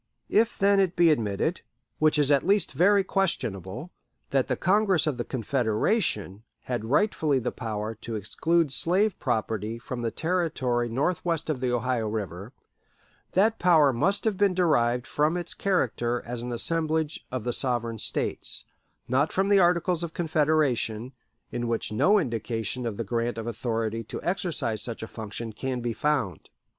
If, then, it be admitted which is at least very questionable that the Congress of the Confederation had rightfully the power to exclude slave property from the territory northwest of the Ohio River, that power must have been derived from its character as an assemblage of the sovereign States; not from the Articles of Confederation, in which no indication of the grant of authority to exercise such a function can be found.